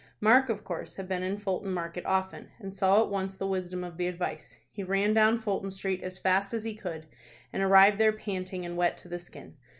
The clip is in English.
Mark, of course, had been in Fulton Market often, and saw at once the wisdom of the advice. He ran down Fulton Street as fast as he could, and arrived there panting and wet to the skin.